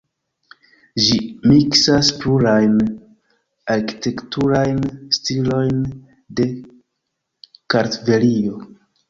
Ĝi miksas plurajn arkitekturajn stilojn de Kartvelio.